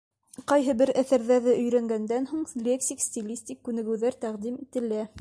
Ҡайһы бер әҫәрҙәрҙе өйрәнгәндән һуң лексик-стилистик күнегеүҙәр тәҡдим ителә.